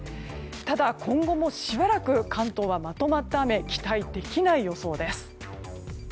ただ、今後もしばらく関東はまとまった雨期待できない予想です。